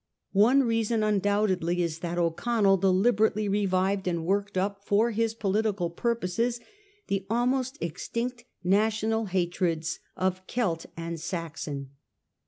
One reason undoubtedly is that O'Connell deliberately revived and worked up for his political, purposes the almost extinct national hatreds of Celt and Saxon.